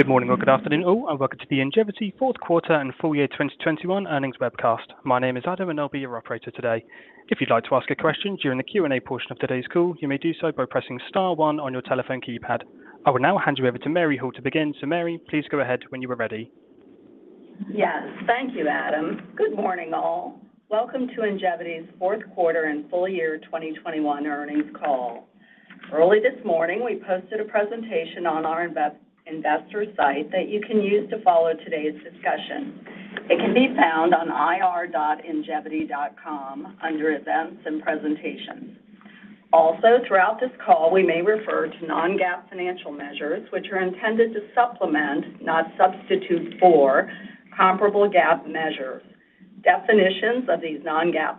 Good morning or good afternoon all, and welcome to the Ingevity fourth quarter and full-year 2021 earnings webcast. My name is Adam, and I'll be your operator today. If you'd like to ask a question during the Q&A portion of today's call, you may do so by pressing star one on your telephone keypad. I will now hand you over to Mary Hall to begin. Mary, please go ahead when you are ready. Yes. Thank you, Adam. Good morning all. Welcome to Ingevity's fourth quarter and full-year 2021 earnings call. Early this morning, we posted a presentation on our investor site that you can use to follow today's discussion. It can be found on ir.ingevity.com under Events and Presentations. Also, throughout this call, we may refer to non-GAAP financial measures which are intended to supplement, not substitute for, comparable GAAP measures. Definitions of these non-GAAP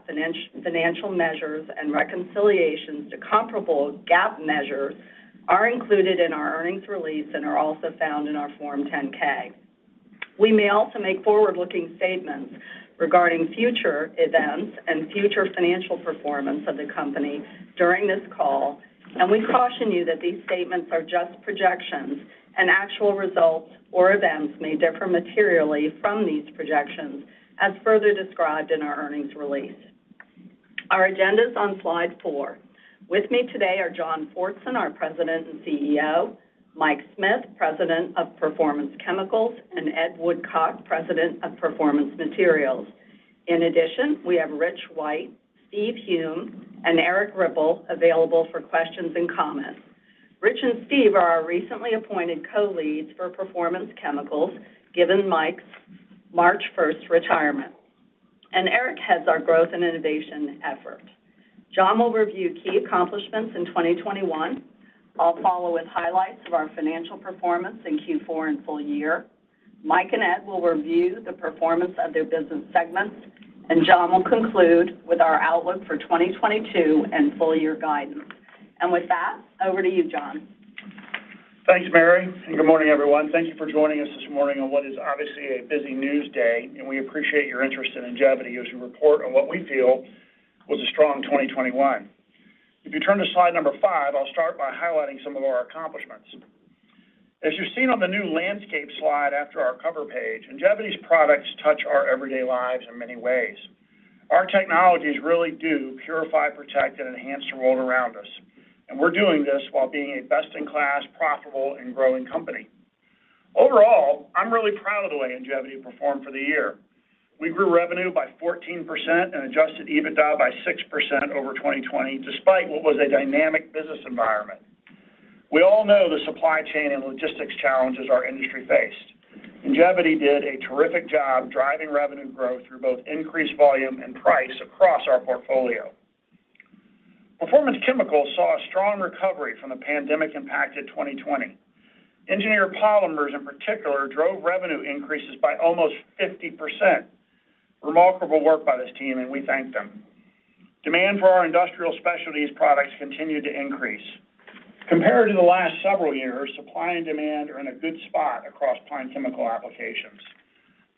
financial measures and reconciliations to comparable GAAP measures are included in our earnings release and are also found in our Form 10-K. We may also make forward-looking statements regarding future events and future financial performance of the company during this call, and we caution you that these statements are just projections and actual results or events may differ materially from these projections, as further described in our earnings release. Our agenda is on slide four. With me today are John Fortson, our President and CEO, Mike Smith, President of Performance Chemicals, and Ed Woodcock, President of Performance Materials. In addition, we have Rich White, Steve Hulme, and Erik Ripple available for questions and comments. Rich and Steve are our recently appointed co-leads for Performance Chemicals, given Mike's March 1 retirement. Erik heads our growth and innovation effort. John will review key accomplishments in 2021. I'll follow with highlights of our financial performance in Q4 and full-year. Mike and Ed will review the performance of their business segments, and John will conclude with our outlook for 2022 and full-year guidance. With that, over to you, John. Thanks, Mary, and good morning, everyone. Thank you for joining us this morning on what is obviously a busy news day, and we appreciate your interest in Ingevity as we report on what we feel was a strong 2021. If you turn to slide five, I'll start by highlighting some of our accomplishments. As you've seen on the new landscape slide after our cover page, Ingevity's products touch our everyday lives in many ways. Our technologies really do purify, protect, and enhance the world around us, and we're doing this while being a best-in-class, profitable, and growing company. Overall, I'm really proud of the way Ingevity performed for the year. We grew revenue by 14% and Adjusted EBITDA by 6% over 2020, despite what was a dynamic business environment. We all know the supply chain and logistics challenges our industry faced. Ingevity did a terrific job driving revenue growth through both increased volume and price across our portfolio. Performance Chemicals saw a strong recovery from the pandemic impact in 2020. Engineered Polymers, in particular, drove revenue increases by almost 50%. Remarkable work by this team, and we thank them. Demand for our Industrial Specialties products continued to increase. Compared to the last several years, supply and demand are in a good spot across pine chemicals applications.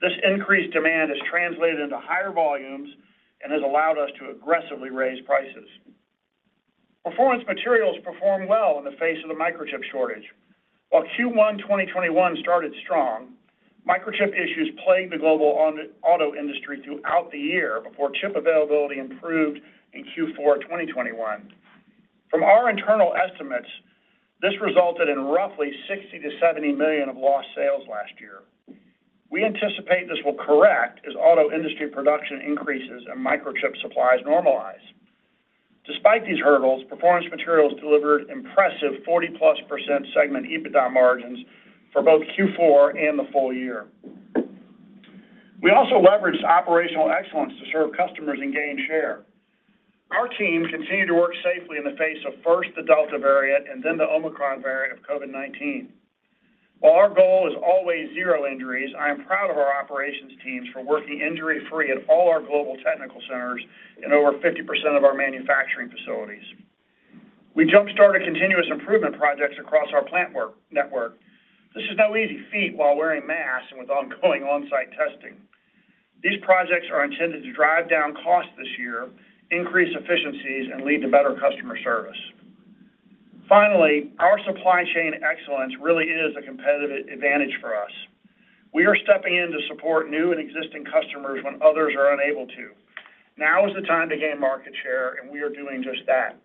This increased demand has translated into higher volumes and has allowed us to aggressively raise prices. Performance Materials performed well in the face of the microchip shortage. While Q1 2021 started strong, microchip issues plagued the global auto industry throughout the year before chip availability improved in Q4 2021. From our internal estimates, this resulted in roughly $60 million-$70 million of lost sales last year. We anticipate this will correct as auto industry production increases and microchip supplies normalize. Despite these hurdles, Performance Materials delivered impressive 40+% segment EBITDA margins for both Q4 and the full-year. We also leveraged operational excellence to serve customers and gain share. Our teams continued to work safely in the face of first the Delta variant and then the Omicron variant of COVID-19. While our goal is always zero injuries, I am proud of our operations teams for working injury-free at all our global technical centers in over 50% of our manufacturing facilities. We jump-started continuous improvement projects across our plant network. This is no easy feat while wearing masks and with ongoing on-site testing. These projects are intended to drive down costs this year, increase efficiencies, and lead to better customer service. Finally, our supply chain excellence really is a competitive advantage for us. We are stepping in to support new and existing customers when others are unable to. Now is the time to gain market share, and we are doing just that.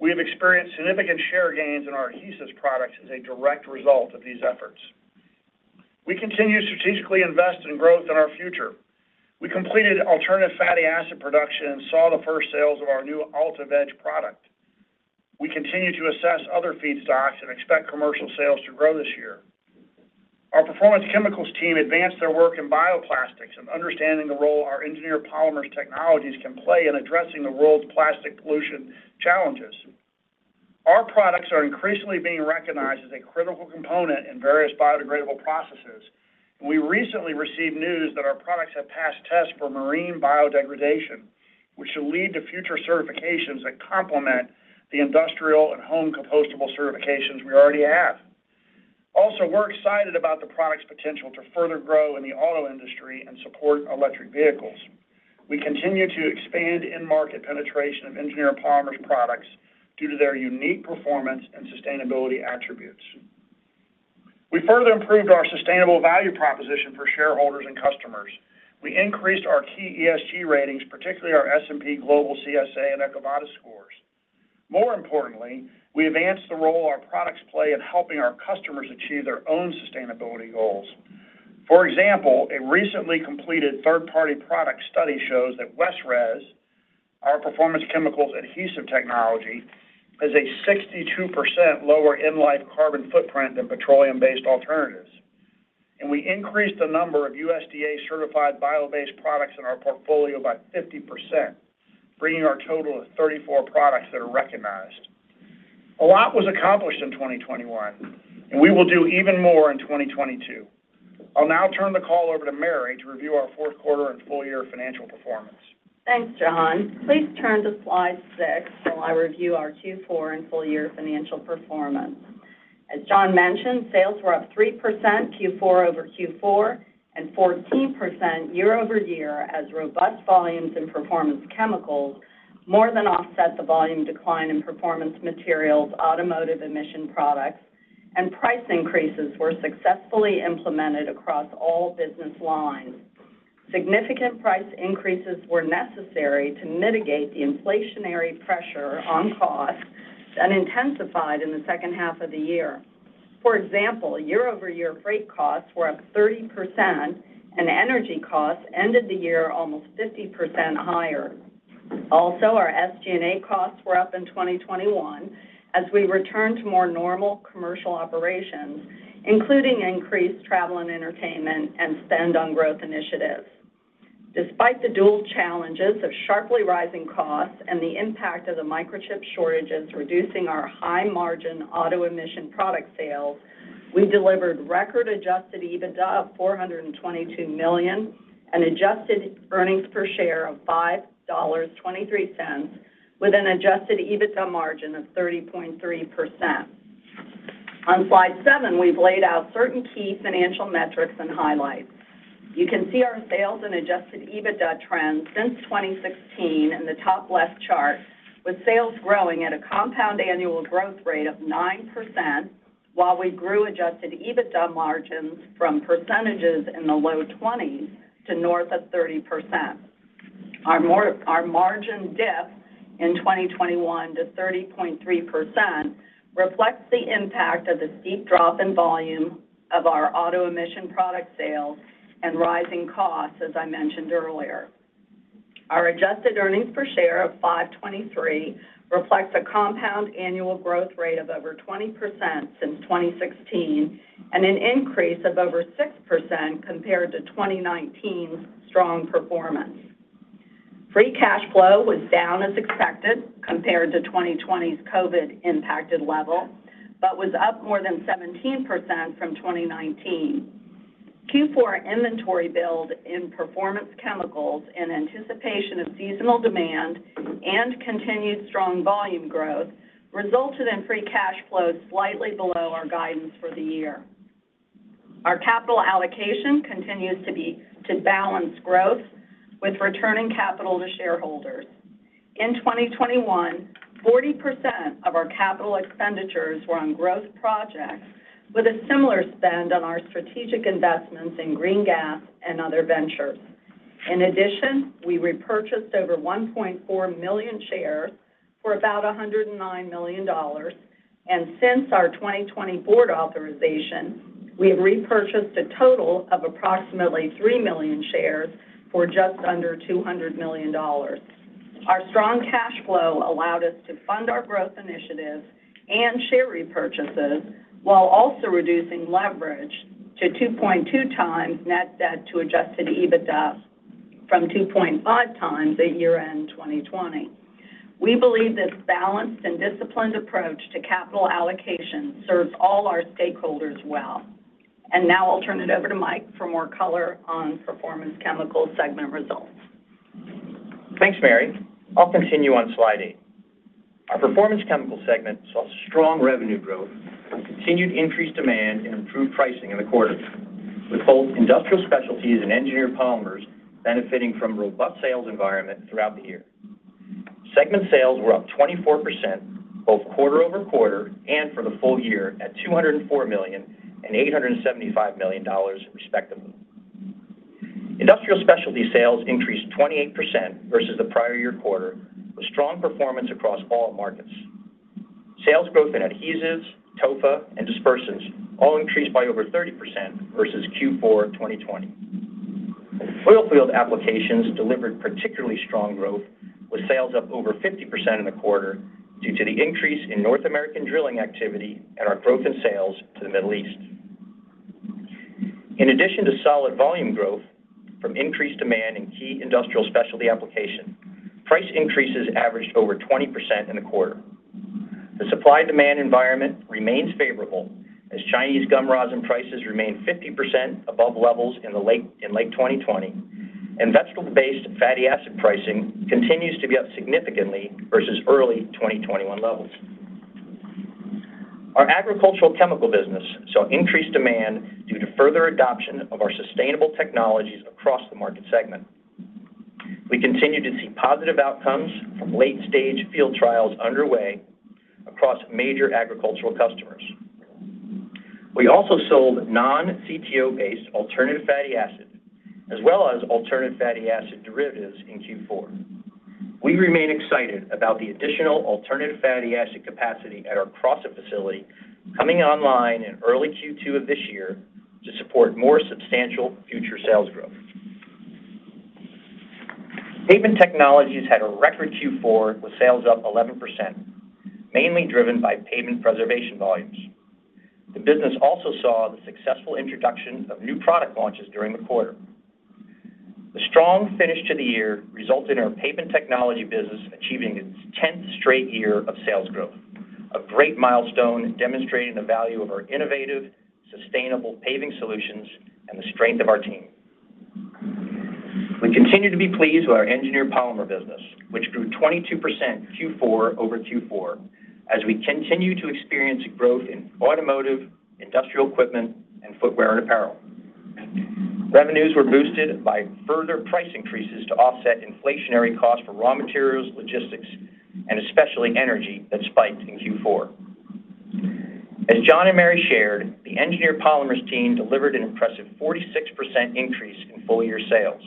We have experienced significant share gains in our adhesives products as a direct result of these efforts. We continue to strategically invest in growth in our future. We completed alternative fatty acid production and saw the first sales of our new AltaVeg product. We continue to assess other feedstocks and expect commercial sales to grow this year. Our Performance Chemicals team advanced their work in bioplastics and understanding the role our Engineered Polymers technologies can play in addressing the world's plastic pollution challenges. Our products are increasingly being recognized as a critical component in various biodegradable processes. We recently received news that our products have passed tests for marine biodegradation, which will lead to future certifications that complement the industrial and home compostable certifications we already have. Also, we're excited about the product's potential to further grow in the auto industry and support electric vehicles. We continue to expand end market penetration of Engineered Polymers products due to their unique performance and sustainability attributes. We further improved our sustainable value proposition for shareholders and customers. We increased our key ESG ratings, particularly our S&P Global CSA and EcoVadis scores. More importantly, we advanced the role our products play in helping our customers achieve their own sustainability goals. For example, a recently completed third-party product study shows that WestRez, our Performance Chemicals adhesive technology, has a 62% lower end-life carbon footprint than petroleum-based alternatives. We increased the number of USDA-certified bio-based products in our portfolio by 50%, bringing our total to 34 products that are recognized. A lot was accomplished in 2021, and we will do even more in 2022. I'll now turn the call over to Mary to review our fourth quarter and full-year financial performance. Thanks, John. Please turn to slide six while I review our Q4 and full-year financial performance. As John mentioned, sales were up 3% Q4 over Q4 and 14% year-over-year as robust volumes in Performance Chemicals more than offset the volume decline in Performance Materials' automotive emission products, and price increases were successfully implemented across all business lines. Significant price increases were necessary to mitigate the inflationary pressure on cost and intensified in the second half of the year. For example, year-over-year freight costs were up 30% and energy costs ended the year almost 50% higher. Also, our SG&A costs were up in 2021 as we returned to more normal commercial operations, including increased travel and entertainment and spend on growth initiatives. Despite the dual challenges of sharply rising costs and the impact of the microchip shortages reducing our high-margin auto emission product sales, we delivered record Adjusted EBITDA of $422 million and adjusted earnings per share of $5.23 with an Adjusted EBITDA margin of 30.3%. On slide seven, we've laid out certain key financial metrics and highlights. You can see our sales and Adjusted EBITDA trends since 2016 in the top left chart, with sales growing at a compound annual growth rate of 9% while we grew Adjusted EBITDA margins from percentages in the low 20s to north of 30%. Our margin dip in 2021 to 30.3% reflects the impact of the steep drop in volume of our auto emission product sales and rising costs, as I mentioned earlier. Our adjusted earnings per share of $5.23 reflects a compound annual growth rate of over 20% since 2016 and an increase of over 6% compared to 2019's strong performance. Free cash flow was down as expected compared to 2020's COVID-19-impacted level, but was up more than 17% from 2019. Q4 inventory build in Performance Chemicals in anticipation of seasonal demand and continued strong volume growth resulted in free cash flow slightly below our guidance for the year. Our capital allocation continues to be to balance growth with returning capital to shareholders. In 2021, 40% of our capital expenditures were on growth projects with a similar spend on our strategic investments in green gas and other ventures. In addition, we repurchased over 1.4 million shares for about $109 million, and since our 2020 board authorization, we have repurchased a total of approximately 3 million shares for just under $200 million. Our strong cash flow allowed us to fund our growth initiatives and share repurchases while also reducing leverage to 2.2x net debt to Adjusted EBITDA from 2.5x at year-end 2020. We believe this balanced and disciplined approach to capital allocation serves all our stakeholders well. Now I'll turn it over to Mike for more color on Performance Chemicals segment results. Thanks, Mary. I'll continue on slide eight. Our Performance Chemicals segment saw strong revenue growth, continued increased demand and improved pricing in the quarter, with both Industrial Specialties and Engineered Polymers benefiting from robust sales environment throughout the year. Segment sales were up 24% both quarter-over-quarter and for the full-year at $204 million and $875 million respectively. Industrial Specialties sales increased 28% versus the prior year quarter with strong performance across all markets. Sales growth in adhesives, TOFA, and dispersants all increased by over 30% versus Q4 2020. Oilfield applications delivered particularly strong growth with sales up over 50% in the quarter due to the increase in North American drilling activity and our growth in sales to the Middle East. In addition to solid volume growth from increased demand in key Industrial Specialties applications, price increases averaged over 20% in the quarter. The supply-demand environment remains favorable as Chinese gum rosin prices remain 50% above levels in late 2020, and vegetable-based fatty acid pricing continues to be up significantly versus early 2021 levels. Our agricultural chemical business saw increased demand due to further adoption of our sustainable technologies across the market segment. We continue to see positive outcomes from late-stage field trials underway across major agricultural customers. We also sold non-CTO-based alternative fatty acid as well as alternative fatty acid derivatives in Q4. We remain excited about the additional alternative fatty acid capacity at our Crossett facility coming online in early Q2 of this year to support more substantial future sales growth. Pavement Technologies had a record Q4 with sales up 11%, mainly driven by pavement preservation volumes. The business also saw the successful introduction of new product launches during the quarter. The strong finish to the year resulted in our Pavement Technologies business achieving its 10th straight year of sales growth, a great milestone demonstrating the value of our innovative, sustainable paving solutions and the strength of our team. We continue to be pleased with our Engineered Polymers business, which grew 22% Q4 over Q4 as we continue to experience growth in automotive, industrial equipment, and footwear and apparel. Revenues were boosted by further price increases to offset inflationary costs for raw materials, logistics and especially energy that spiked in Q4. As John and Mary shared, the Engineered Polymers team delivered an impressive 46% increase in full-year sales,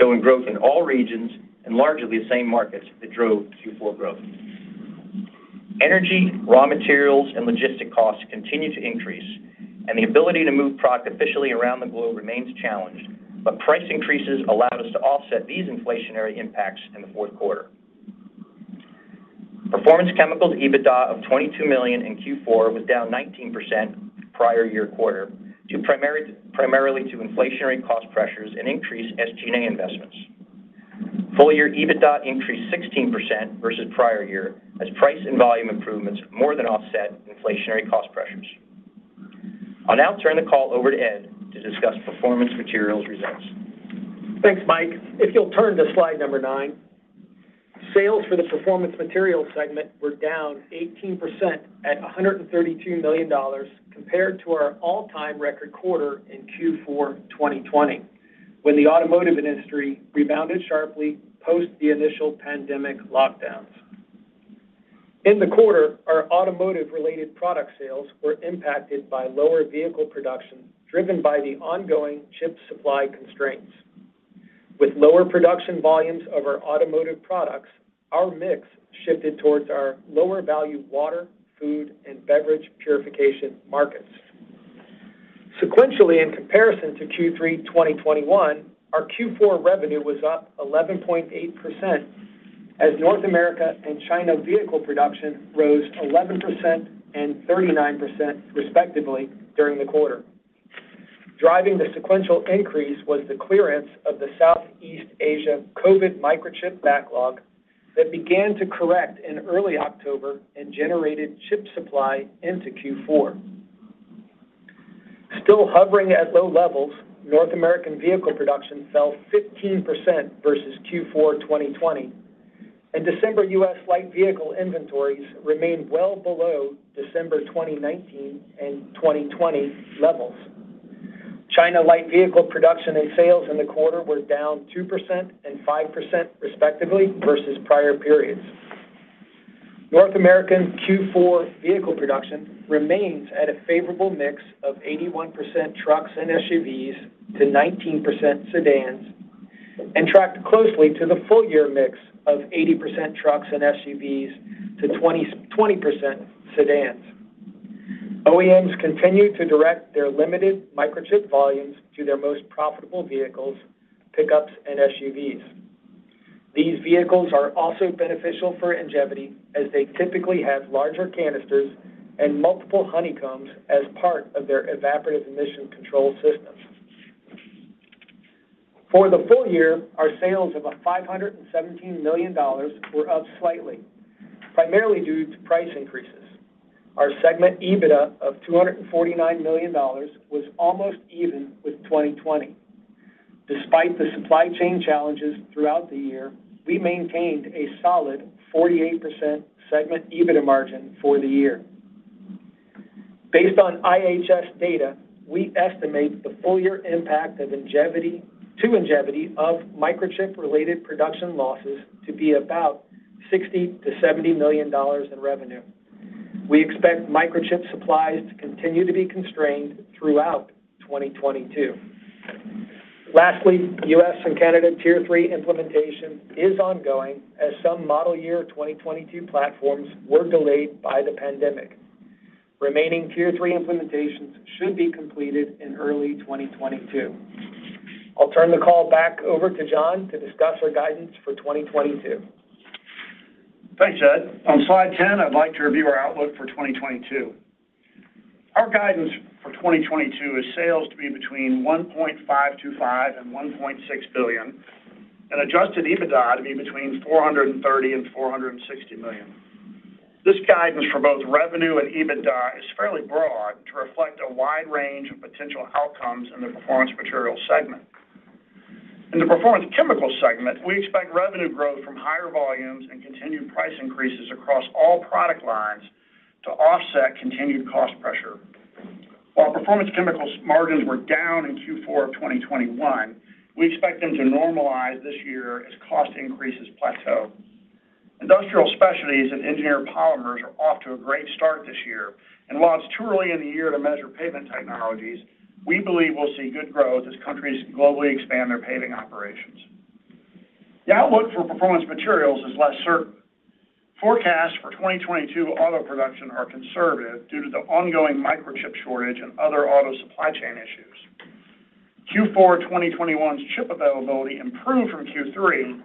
showing growth in all regions and largely the same markets that drove Q4 growth. Energy, raw materials and logistic costs continue to increase and the ability to move product efficiently around the globe remains challenged, but price increases allowed us to offset these inflationary impacts in the fourth quarter. Performance Chemicals EBITDA of $22 million in Q4 was down 19% prior-year quarter due primarily to inflationary cost pressures and increased SG&A investments. Full-year EBITDA increased 16% versus prior year as price and volume improvements more than offset inflationary cost pressures. I'll now turn the call over to Ed to discuss Performance Materials results. Thanks, Mike. If you'll turn to slide nine. Sales for the Performance Materials segment were down 18% at $132 million compared to our all-time record quarter in Q4 2020, when the automotive industry rebounded sharply post the initial pandemic lockdowns. In the quarter, our automotive related product sales were impacted by lower vehicle production, driven by the ongoing chip supply constraints. With lower production volumes of our automotive products, our mix shifted towards our lower value water, food and beverage purification markets. Sequentially in comparison to Q3 2021, our Q4 revenue was up 11.8% as North America and China vehicle production rose 11% and 39% respectively during the quarter. Driving the sequential increase was the clearance of the Southeast Asia COVID microchip backlog that began to correct in early October and generated chip supply into Q4. Still hovering at low levels, North American vehicle production fell 15% versus Q4 2020, and December U.S. light vehicle inventories remained well below December 2019 and 2020 levels. China light vehicle production and sales in the quarter were down 2% and 5% respectively versus prior periods. North American Q4 vehicle production remains at a favorable mix of 81% trucks and SUVs to 19% sedans and tracked closely to the full-year mix of 80% trucks and SUVs to 20% sedans. OEMs continue to direct their limited microchip volumes to their most profitable vehicles, pickups and SUVs. These vehicles are also beneficial for Ingevity as they typically have larger canisters and multiple honeycombs as part of their evaporative emission control systems. For the full-year, our sales of $517 million were up slightly, primarily due to price increases. Our segment EBITDA of $249 million was almost even with 2020. Despite the supply chain challenges throughout the year, we maintained a solid 48% segment EBITDA margin for the year. Based on IHS data, we estimate the full-year impact to Ingevity of microchip-related production losses to be about $60 million-$70 million in revenue. We expect microchip supplies to continue to be constrained throughout 2022. U.S. and Canada Tier 3 implementation is ongoing as some model year 2022 platforms were delayed by the pandemic. Remaining Tier 3 implementations should be completed in early 2022. I'll turn the call back over to John to discuss our guidance for 2022. Thanks, Ed. On slide 10, I'd like to review our outlook for 2022. Our guidance for 2022 is sales to be between $1.525 billion and $1.6 billion and Adjusted EBITDA to be between $430 million and $460 million. This guidance for both revenue and EBITDA is fairly broad to reflect a wide range of potential outcomes in the Performance Materials segment. In the Performance Chemicals segment, we expect revenue growth from higher volumes and continued price increases across all product lines to offset continued cost pressure. While Performance Chemicals margins were down in Q4 of 2021, we expect them to normalize this year as cost increases plateau. Industrial Specialties and Engineered Polymers are off to a great start this year, and while it's too early in the year to measure Pavement Technologies, we believe we'll see good growth as countries globally expand their paving operations. The outlook for Performance Materials is less certain. Forecasts for 2022 auto production are conservative due to the ongoing microchip shortage and other auto supply chain issues. Q4 2021's chip availability improved from Q3,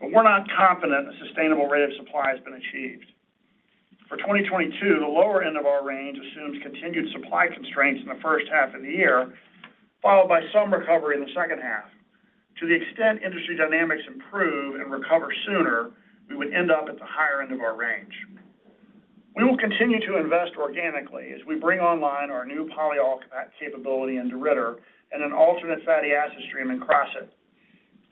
but we're not confident a sustainable rate of supply has been achieved. For 2022, the lower end of our range assumes continued supply constraints in the first half of the year, followed by some recovery in the second half. To the extent industry dynamics improve and recover sooner, we would end up at the higher end of our range. We will continue to invest organically as we bring online our new polyol capability in DeRidder and an alternate fatty acid stream in Crossett.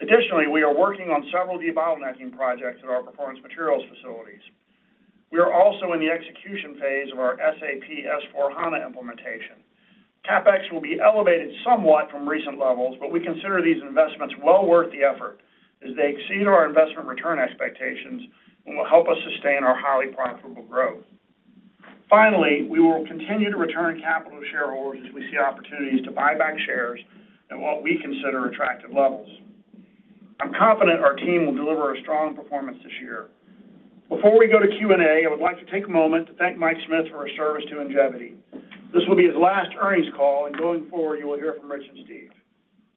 Additionally, we are working on several debottlenecking projects at our Performance Materials facilities. We are also in the execution phase of our SAP S/4HANA implementation. CapEx will be elevated somewhat from recent levels, but we consider these investments well worth the effort as they exceed our investment return expectations and will help us sustain our highly profitable growth. Finally, we will continue to return capital to shareholders as we see opportunities to buy back shares at what we consider attractive levels. I'm confident our team will deliver a strong performance this year. Before we go to Q&A, I would like to take a moment to thank Mike Smith for his service to Ingevity. This will be his last earnings call, and going forward, you will hear from Rich and Steve.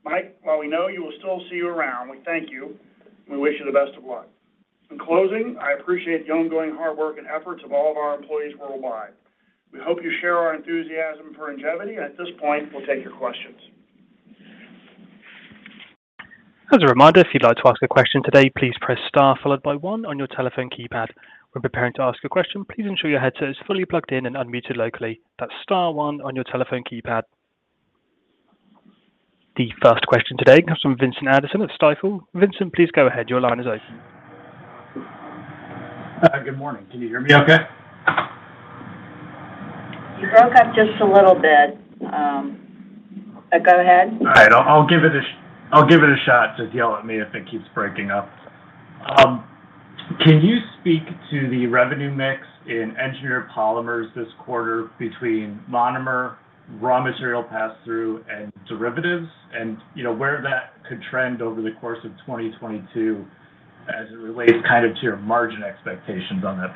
Mike, while we know you, we'll still see you around, we thank you, and we wish you the best of luck. In closing, I appreciate the ongoing hard work and efforts of all of our employees worldwide. We hope you share our enthusiasm for Ingevity, and at this point, we'll take your questions. As a reminder, if you'd like to ask a question today, please press star followed by one on your telephone keypad. When preparing to ask a question, please ensure your headset is fully plugged in and unmuted locally. That's star one on your telephone keypad. The first question today comes from Vincent Anderson at Stifel. Vincent, please go ahead. Your line is open. Good morning. Can you hear me okay? You broke up just a little bit. Go ahead. All right. I'll give it a shot. Just yell at me if it keeps breaking up. Can you speak to the revenue mix in Engineered Polymers this quarter between monomer, raw material pass-through, and derivatives and, you know, where that could trend over the course of 2022 as it relates kind of to your margin expectations on that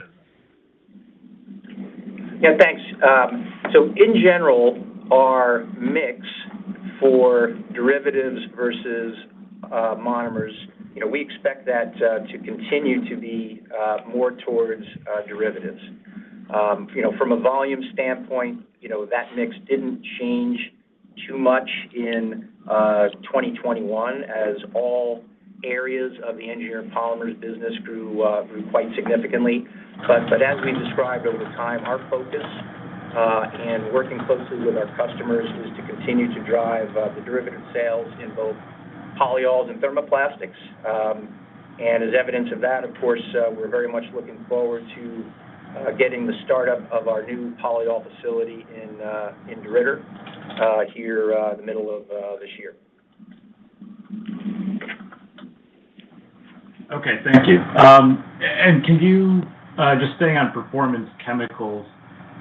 business? Yeah, thanks. So in general, our mix for derivatives versus monomers, you know, we expect that to continue to be more towards derivatives. You know, from a volume standpoint, you know, that mix didn't change too much in 2021 as all areas of the Engineered Polymers business grew quite significantly. As we described over time, our focus in working closely with our customers is to continue to drive the derivative sales in both polyols and thermoplastics. As evidence of that, of course, we're very much looking forward to getting the startup of our new polyol facility in DeRidder here the middle of this year. Okay. Thank you. Just staying on Performance Chemicals,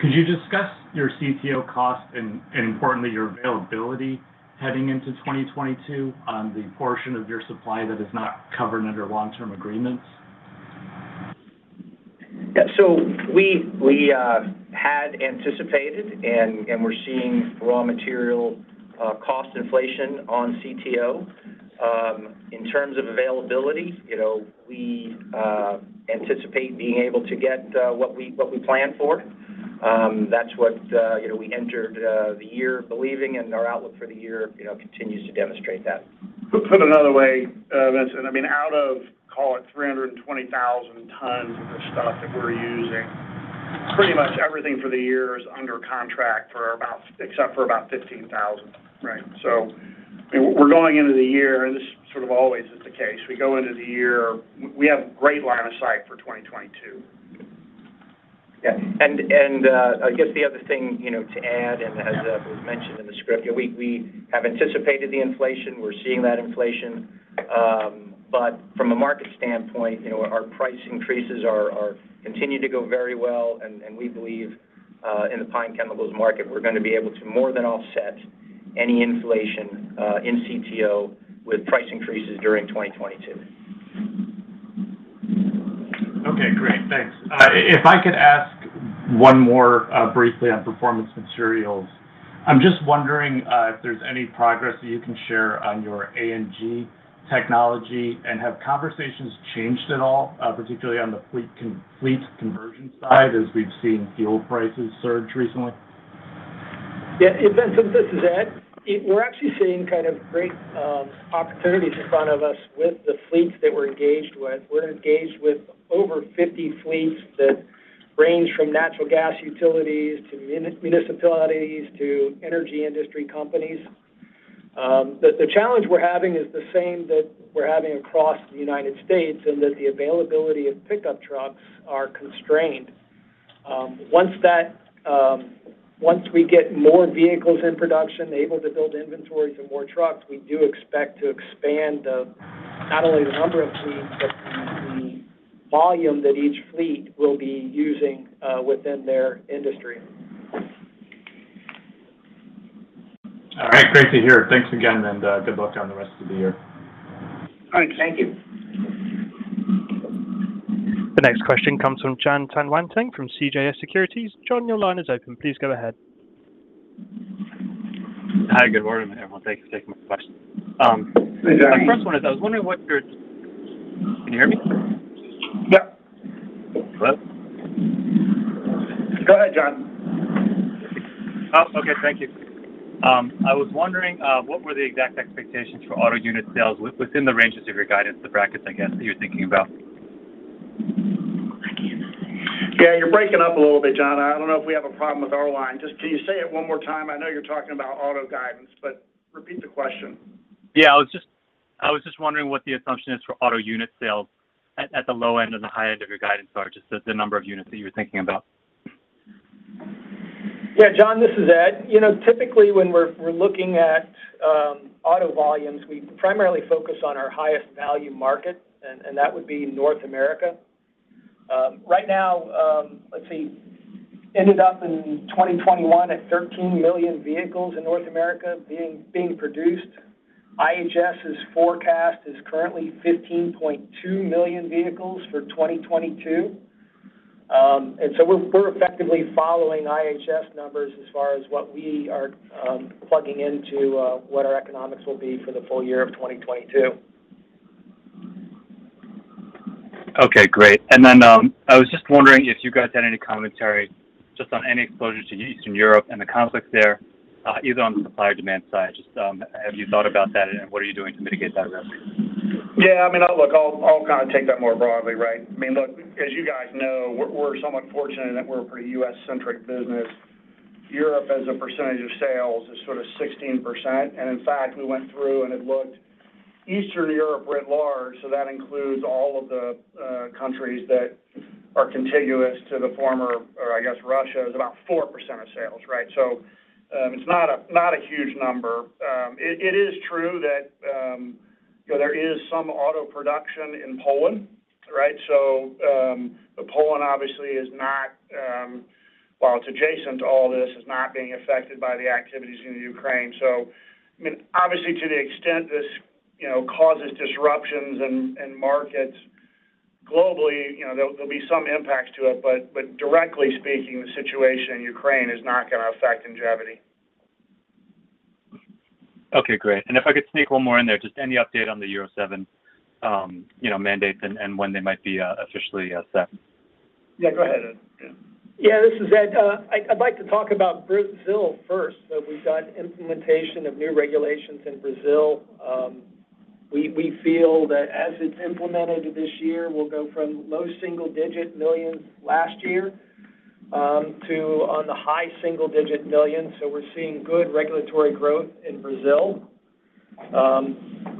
could you discuss your CTO costs and importantly, your availability heading into 2022 on the portion of your supply that is not covered under long-term agreements? Yeah. We had anticipated and we're seeing raw material cost inflation on CTO. In terms of availability, you know, we anticipate being able to get what we plan for. That's what, you know, we entered the year believing, and our outlook for the year, you know, continues to demonstrate that. To put another way, Vincent, I mean, out of, call it 320,000 tons of the stuff that we're using, pretty much everything for the year is under contract, except for about 15,000. Right. We're going into the year, and this sort of always is the case. We go into the year. We have great line of sight for 2022. Yeah. I guess the other thing, you know, to add, as was mentioned in the script, you know, we have anticipated the inflation. We're seeing that inflation. From a market standpoint, you know, our price increases continue to go very well, and we believe in the pine chemicals market, we're gonna be able to more than offset any inflation in CTO with price increases during 2022. Okay. Great. Thanks. If I could ask one more, briefly on Performance Materials. I'm just wondering if there's any progress that you can share on your ANG technology, and have conversations changed at all, particularly on the fleet conversion side as we've seen fuel prices surge recently? Yeah. Vincent, this is Ed. We're actually seeing kind of great opportunities in front of us with the fleets that we're engaged with. We're engaged with over 50 fleets that Range from natural gas utilities to municipalities, to energy industry companies. The challenge we're having is the same that we're having across the United States, in that the availability of pickup trucks are constrained. Once we get more vehicles in production, able to build inventories and more trucks, we do expect to expand not only the number of fleets, but the volume that each fleet will be using within their industry. All right. Great to hear. Thanks again, and good luck on the rest of the year. All right. Thank you. The next question comes from Jon Tanwanteng from CJS Securities. John, your line is open. Please go ahead. Hi. Good morning, everyone. Thank you for taking my question. Hey, John. Can you hear me? Yeah. Hello? Go ahead, John. Oh, okay. Thank you. I was wondering, what were the exact expectations for auto unit sales within the ranges of your guidance, the brackets, I guess, that you're thinking about? Yeah, you're breaking up a little bit, John. I don't know if we have a problem with our line. Just can you say it one more time? I know you're talking about auto guidance, but repeat the question? Yeah, I was just wondering what the assumption is for auto unit sales at the low end and the high end of your guidance are, just the number of units that you were thinking about. Yeah, John, this is Ed. You know, typically, when we're looking at auto volumes, we primarily focus on our highest value market, and that would be North America. Right now, let's see, ended up in 2021 at 13 million vehicles in North America being produced. IHS's forecast is currently 15.2 million vehicles for 2022. We're effectively following IHS numbers as far as what we are plugging into what our economics will be for the full-year of 2022. Okay. Great. I was just wondering if you guys had any commentary just on any exposure to Eastern Europe and the conflict there, either on the supply or demand side. Just, have you thought about that, and what are you doing to mitigate that risk? Yeah. I mean, look, I'll kind of take that more broadly, right? I mean, look, as you guys know, we're somewhat fortunate in that we're a pretty U.S.-centric business. Europe, as a percentage of sales, is sort of 16%. In fact, we went through and had looked at Eastern Europe writ large, so that includes all of the countries that are contiguous to the former or I guess Russia is about 4% of sales, right? It's not a huge number. It is true that, you know, there is some auto production in Poland, right? But Poland obviously is not, while it's adjacent to all this, being affected by the activities in Ukraine. I mean, obviously, to the extent this, you know, causes disruptions in markets globally, you know, there'll be some impacts to it, but directly speaking, the situation in Ukraine is not gonna affect Ingevity. Okay. Great. If I could sneak one more in there, just any update on the Euro 7, you know, mandates and when they might be officially set? Yeah, go ahead, Ed. Yeah. Yeah, this is Ed. I'd like to talk about Brazil first. We've got implementation of new regulations in Brazil. We feel that as it's implemented this year, we'll go from low single-digit millions last year to high single-digit millions. We're seeing good regulatory growth in Brazil.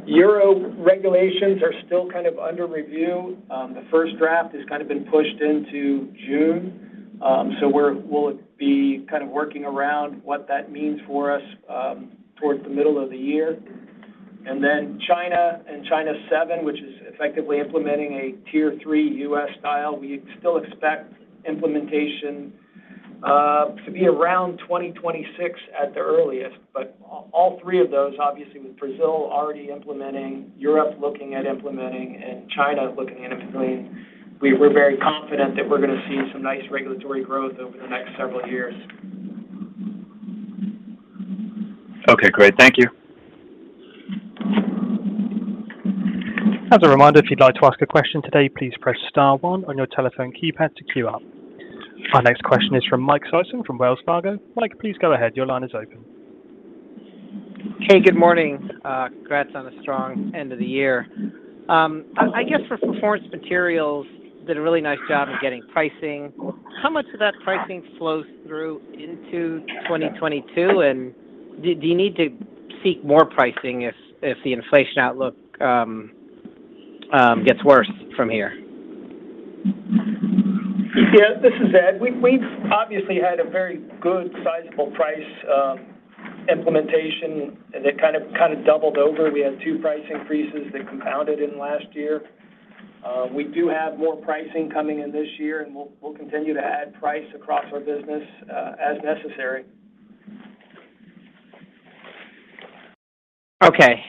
Euro regulations are still kind of under review. The first draft has kind of been pushed into June. We'll be kind of working around what that means for us towards the middle of the year. Then China and China 6, which is effectively implementing a Tier 3 U.S. style, we still expect implementation to be around 2026 at the earliest. All three of those, obviously with Brazil already implementing, Europe looking at implementing, and China looking at implementing, we're very confident that we're gonna see some nice regulatory growth over the next several years. Okay. Great. Thank you. As a reminder, if you'd like to ask a question today, please press star one on your telephone keypad to queue up. Our next question is from Mike Sison from Wells Fargo. Mike, please go ahead. Your line is open. Hey. Good morning. Congrats on a strong end of the year. I guess Performance Materials did a really nice job of getting pricing. How much of that pricing flows through into 2022, and do you need to seek more pricing if the inflation outlook gets worse from here? Yeah. This is Ed. We've obviously had a very good sizable price implementation, and it kind of doubled over. We had two price increases that compounded in last year. We do have more pricing coming in this year, and we'll continue to add price across our business as necessary. Okay.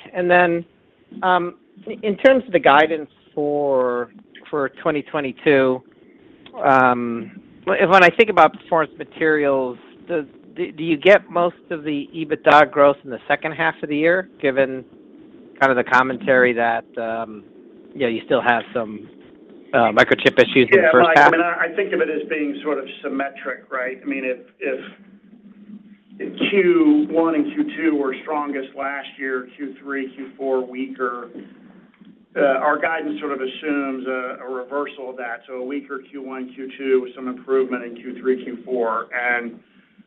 In terms of the guidance for 2022, when I think about Performance Materials, do you get most of the EBITDA growth in the second half of the year given kind of the commentary that you still have some microchip issues in the first half? Yeah. Like, I mean, I think of it as being sort of symmetric, right? I mean, if Q1 and Q2 were strongest last year. Q3, Q4 weaker. Our guidance sort of assumes a reversal of that, so a weaker Q1, Q2 with some improvement in Q3, Q4.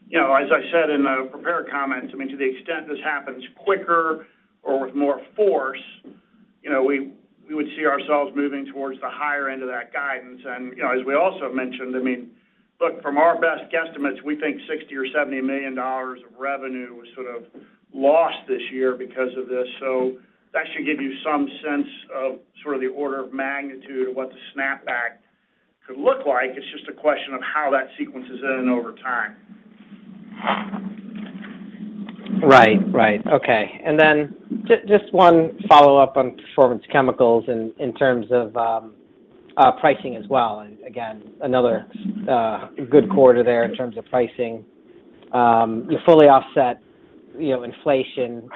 You know, as I said in the prepared comments, I mean, to the extent this happens quicker or with more force, you know, we would see ourselves moving towards the higher end of that guidance. You know, as we also mentioned, I mean, look, from our best guesstimates, we think $60 million or $70 million of revenue was sort of lost this year because of this. So that should give you some sense of sort of the order of magnitude of what the snap back could look like. It's just a question of how that sequences in and over time. Right. Okay. Just one follow-up on Performance Chemicals in terms of pricing as well, and again, another good quarter there in terms of pricing. You fully offset, you know, inflation.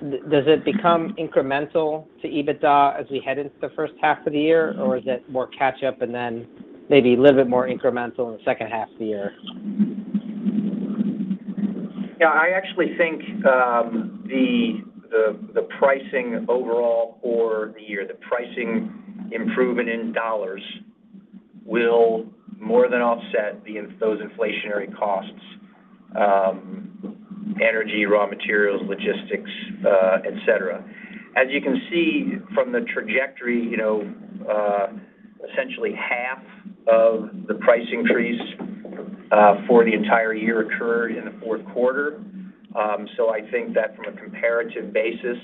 Does it become incremental to EBITDA as we head into the first half of the year, or is it more catch up and then maybe a little bit more incremental in the second half of the year? Yeah. I actually think the pricing overall for the year, the pricing improvement in dollars will more than offset those inflationary costs. Energy, raw materials, logistics, et cetera. As you can see from the trajectory, you know, essentially half of the price increase for the entire year occurred in the fourth quarter. So I think that from a comparative basis,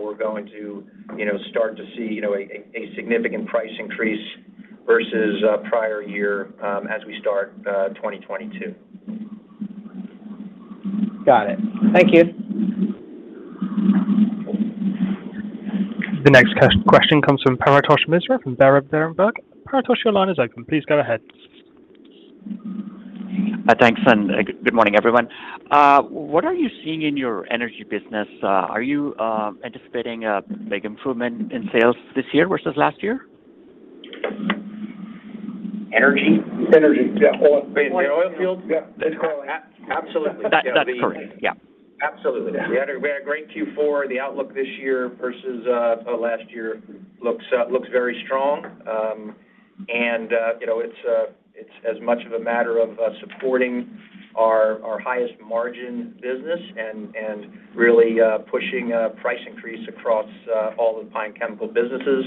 we're going to, you know, start to see, you know, a significant price increase versus prior year as we start 2022. Got it. Thank you. The next question comes from Paretosh Misra from Berenberg. Paretosh, your line is open. Please go ahead. Thanks, and good morning, everyone. What are you seeing in your energy business? Are you anticipating a big improvement in sales this year versus last year? Energy? Energy. Yeah. Oil. You mean the oil fields? Yeah. Ab-ab-absolutely. That, that's correct. Yeah. Absolutely. We had a great Q4. The outlook this year versus last year looks very strong. You know, it's as much a matter of supporting our highest margin business and really pushing a price increase across all of the pine chemicals businesses,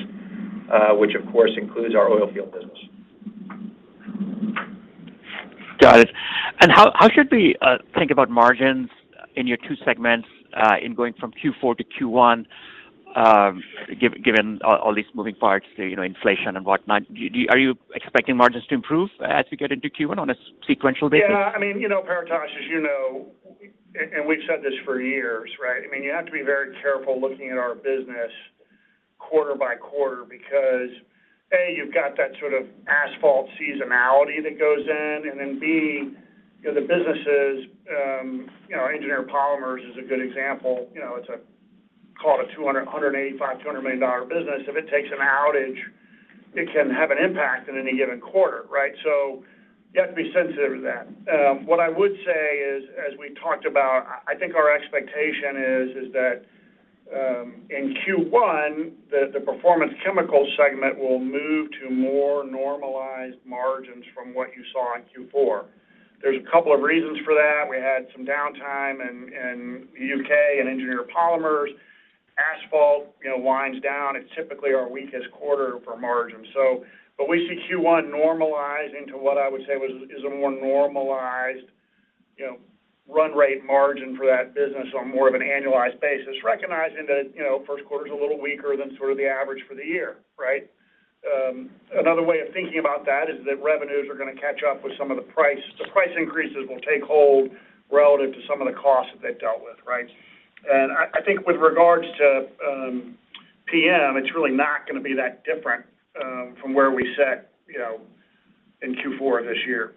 which, of course, includes our oil field business. Got it. How should we think about margins in your two segments in going from Q4 to Q1 given all these moving parts to, you know, inflation and whatnot? Are you expecting margins to improve as we get into Q1 on a sequential basis? Yeah. I mean, you know, Paretosh, as you know, and we've said this for years, right? I mean, you have to be very careful looking at our business quarter by quarter because, A, you've got that sort of asphalt seasonality that goes in, and then, B, you know, the businesses, you know, Engineered Polymers is a good example. You know, it's call it a $200 million dollar business. If it takes an outage, it can have an impact in any given quarter, right? You have to be sensitive to that. What I would say is, as we talked about, I think our expectation is that, in Q1, the Performance Chemicals segment will move to more normalized margins from what you saw in Q4. There's a couple of reasons for that. We had some downtime in the U.K. and Engineered Polymers. Asphalt, you know, winds down. It's typically our weakest quarter for margin. We see Q1 normalizing to what I would say is a more normalized, you know, run rate margin for that business on more of an annualized basis, recognizing that, you know, first quarter's a little weaker than sort of the average for the year, right? Another way of thinking about that is that revenues are gonna catch up with some of the price. The price increases will take hold relative to some of the costs that they've dealt with, right? I think with regards to PM, it's really not gonna be that different from where we sit, you know, in Q4 this year.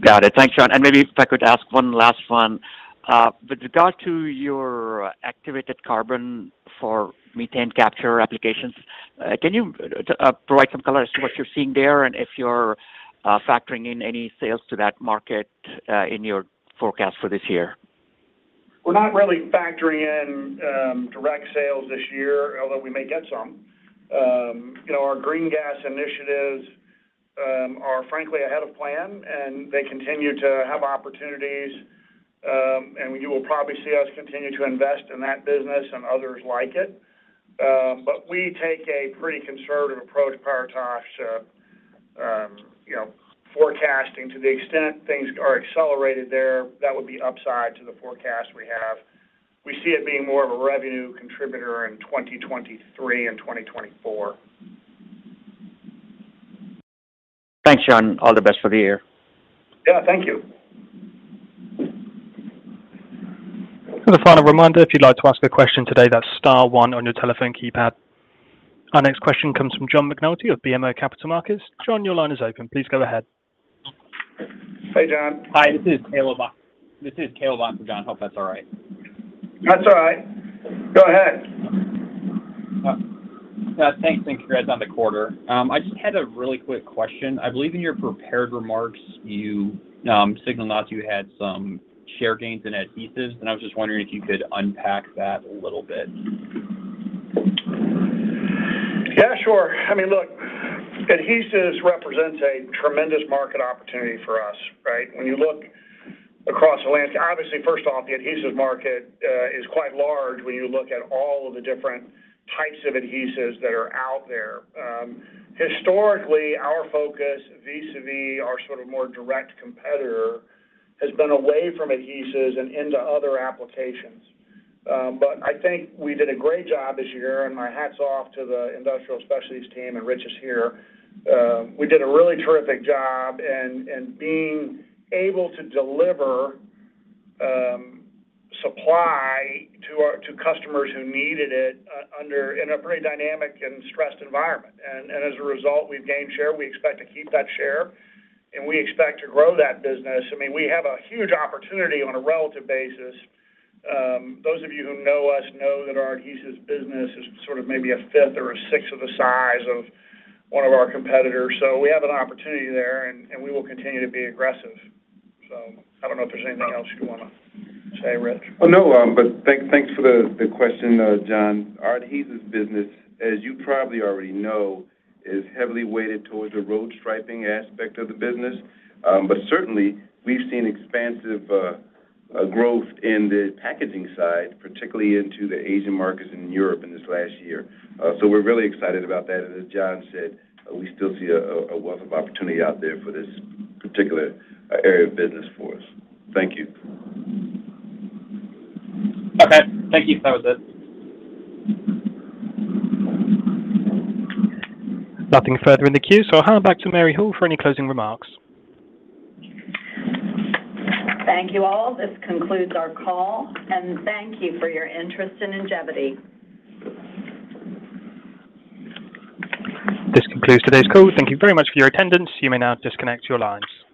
Got it. Thanks, John. Maybe if I could ask one last one. With regard to your activated carbon for methane capture applications, can you provide some color as to what you're seeing there and if you're factoring in any sales to that market, in your forecast for this year? We're not really factoring in direct sales this year, although we may get some. You know, our green gas initiatives are frankly ahead of plan, and they continue to have opportunities. You will probably see us continue to invest in that business and others like it. We take a pretty conservative approach, Paretosh, you know, forecasting to the extent things are accelerated there. That would be upside to the forecast we have. We see it being more of a revenue contributor in 2023 and 2024. Thanks, John. All the best for the year. Yeah. Thank you. A final reminder, if you'd like to ask a question today, that's star one on your telephone keypad. Our next question comes from John McNulty of BMO Capital Markets. John, your line is open. Please go ahead. Hey, John. Hi. This is Bhavesh Lodaya, John. Hope that's all right. That's all right. Go ahead. Thanks. Thanks, guys, on the quarter. I just had a really quick question. I believe in your prepared remarks, you singled out you had some share gains in adhesives, and I was just wondering if you could unpack that a little bit. Yeah, sure. I mean, look, adhesives represents a tremendous market opportunity for us, right? When you look across the landscape. Obviously, first off, the adhesives market is quite large when you look at all of the different types of adhesives that are out there. Historically, our focus vis-a-vis our sort of more direct competitor has been away from adhesives and into other applications. I think we did a great job this year, and my hat's off to the Industrial Specialties team, and Rich is here. We did a really terrific job and being able to deliver supply to customers who needed it in a pretty dynamic and stressed environment. As a result, we've gained share. We expect to keep that share, and we expect to grow that business. I mean, we have a huge opportunity on a relative basis. Those of you who know us know that our adhesives business is sort of maybe a fifth or a sixth of the size of one of our competitors. We have an opportunity there, and we will continue to be aggressive. I don't know if there's anything else you'd wanna say, Rich. Well, no, but thanks for the question, John. Our adhesives business, as you probably already know, is heavily weighted towards the road striping aspect of the business. Certainly we've seen expansive growth in the packaging side, particularly into the Asian markets and Europe in this last year. We're really excited about that. As John said, we still see a wealth of opportunity out there for this particular area of business for us. Thank you. Okay. Thank you. That was it. Nothing further in the queue, so I'll hand back to Mary Hall for any closing remarks. Thank you all. This concludes our call, and thank you for your interest in Ingevity. This concludes today's call. Thank you very much for your attendance. You may now disconnect your lines.